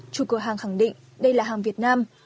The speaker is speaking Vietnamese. chủ cửa hàng khẳng định đây là hàng việt nam